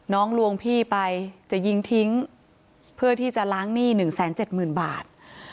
ลวงพี่ไปจะยิงทิ้งเพื่อที่จะล้างหนี้๑๗๐๐๐บาท